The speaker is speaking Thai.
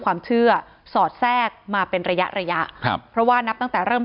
ความเชื่อสอดแทรกมาเป็นระยะระยะครับเพราะว่านับตั้งแต่เริ่ม